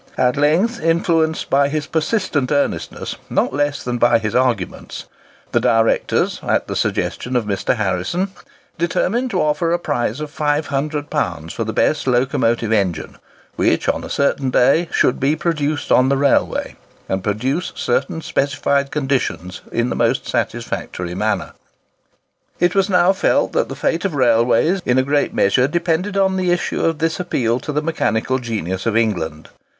At length, influenced by his persistent earnestness not less than by his arguments, the directors, at the suggestion of Mr. Harrison, determined to offer a prize of £500 for the best locomotive engine, which, on a certain day, should be produced on the railway, and perform certain specified conditions in the most satisfactory manner. It was now felt that the fate of railways in a great measure depended upon the issue of this appeal to the mechanical genius of England.